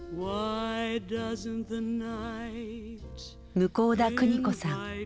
向田邦子さん。